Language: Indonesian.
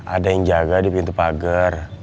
ada yang jaga di pintu pagar